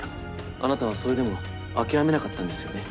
あなたはそれでも諦めなかったんですよね？